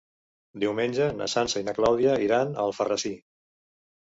Diumenge na Sança i na Clàudia iran a Alfarrasí.